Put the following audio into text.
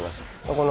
この．